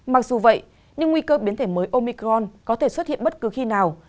mặc dù vậy nhưng nguy cơ biến thể mới omicron có thể xuất hiện bất cứ khi nào